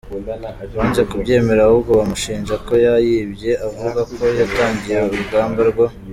banze kubyemera ahubwo bamushinja ko yayibye, avuga ko yatangiye urugamba rwo